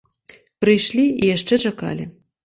Прыйшлі і яшчэ чакалі.